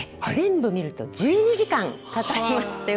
全部見ると１２時間かかります。